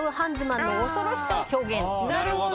なるほど。